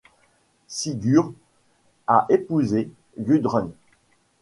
Sigurd a épousé Gudrun.